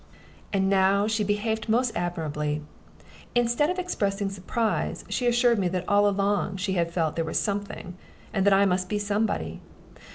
And now she behaved most admirably. Instead of expressing surprise, she assured me that all along she had felt there was something, and that I must be somebody.